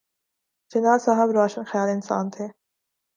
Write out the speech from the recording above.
جناح صاحب روشن خیال انسان تھے۔